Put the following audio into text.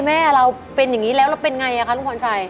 แม่เราเป็นอย่างงี้แล้วแล้วเป็นไงคะทุกคนชาย